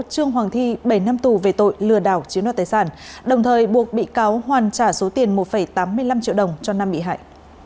trương hoàng thi bảy năm tù về tội lừa đảo chiếm đoạt tài sản đồng thời buộc bị cáo hoàn trả số tiền một tám mươi năm triệu đồng cho nam bị hại